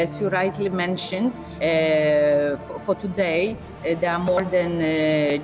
seperti yang anda katakan untuk hari ini